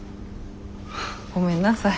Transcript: ごめんなさい。